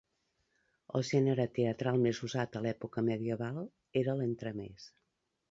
El gènere teatral més usat a l'època medieval era l'entremès.